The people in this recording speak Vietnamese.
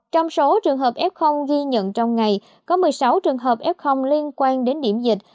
trong số trường hợp f ghi nhận trong ngày có một mươi sáu trường hợp f liên quan đến điểm dịch